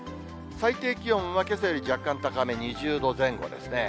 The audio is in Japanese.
最低気温は、けさより若干高め、２０度前後ですね。